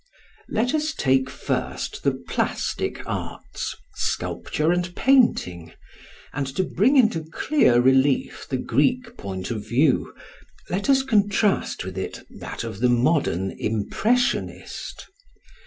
Let us take, first, the plastic arts, sculpture and painting; and to bring into clear relief the Greek point of view let us contrast with it that of the modern "impressionist."